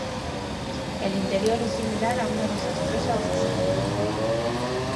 El interior es similar a una desastrosa oficina.